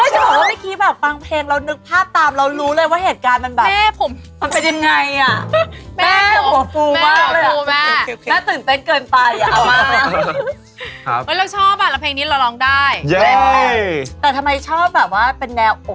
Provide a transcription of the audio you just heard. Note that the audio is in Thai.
ฉันอยากทำให้เธอ